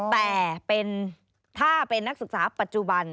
แต่ถ้าเป็นนักศึกษาปัจจุบัน